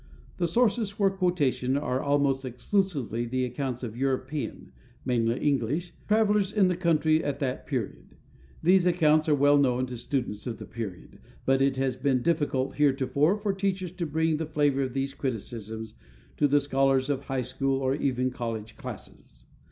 The sources for quotation are almost exclusively the accounts of European mainly English travelers in the country at the period. These accounts are well known to students of the period, but it has been difficult heretofore for teachers to bring the flavor of these criticisms to the scholars of high school or even college classes.